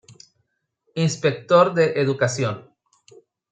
Inspector de Educación.